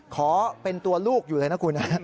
ขอเป็นตัวลูกอยู่เลยนะคุณ